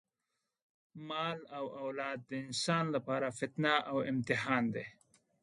مال او اولاد د انسان لپاره فتنه او امتحان دی.